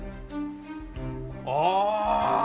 ああ！